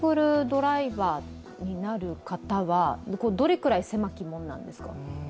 ドライバーになる方はどれくらい狭き門なんですか？